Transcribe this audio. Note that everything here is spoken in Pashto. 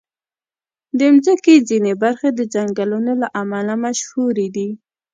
د مځکې ځینې برخې د ځنګلونو له امله مشهوري دي.